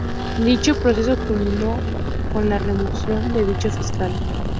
Dicho proceso culminó con la remoción de dicho fiscal.